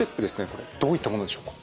これどういったものでしょうか。